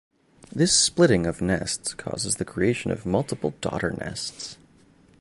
This splitting of nests causes the creation of multiple daughter nests.